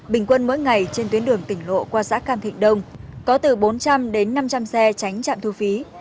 bình quân mỗi ngày trên tuyến đường tỉnh lộ qua xã cam thịnh đông có từ bốn trăm linh đến năm trăm linh xe tránh trạm thu phí